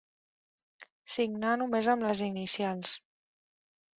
Signar només amb les inicials.